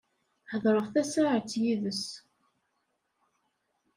Hedreɣ tasaεet yid-s.